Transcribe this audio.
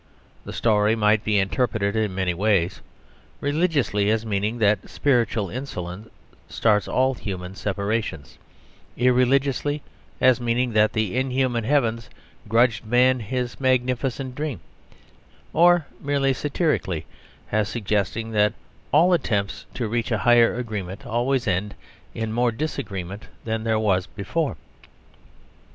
The story might be interpreted in many ways religiously, as meaning that spiritual insolence starts all human separations; irreligiously, as meaning that the inhuman heavens grudge man his magnificent dream; or merely satirically as suggesting that all attempts to reach a higher agreement always end in more disagreement than there was before.